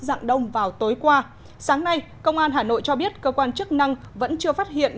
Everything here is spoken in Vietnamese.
dạng đông vào tối qua sáng nay công an hà nội cho biết cơ quan chức năng vẫn chưa phát hiện